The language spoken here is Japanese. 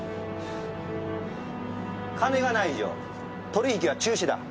金がない以上取り引きは中止だ。